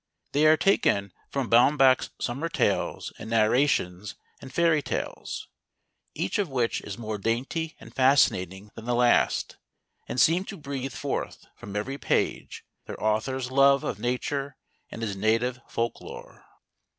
They are taken from Baumbach's Summer Tales and Narrations and Fairy Tales^ each of which is more dainty and fascinating than the last, and seem to breathe forth from every page their author's love of Nature and his native folk lore.